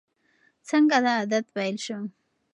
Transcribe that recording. څنګه دا عادت پیل شو؟